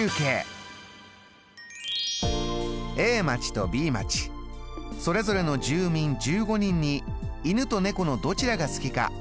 Ａ町とＢ町それぞれの住民１５人に犬と猫のどちらが好きか